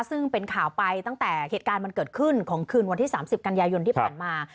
ซึ่งเป็นข่าวไปตั้งแต่เหตุการณ์มันเกิดขึ้นของคืนวันที่๓๐กันยายนที่ผ่านมา